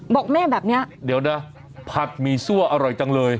บอกแม่แบบนี้เดี๋ยวนะผัดหมี่ซั่วอร่อยจังเลย